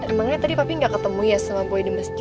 emangnya tadi papa gak ketemu ya sama boy di masjid